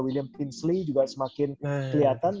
william princelley juga semakin kelihatan